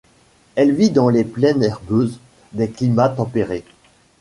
Elle vit dans les plaines herbeuses des climats tempérés.